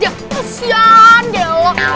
ya kesian dia wak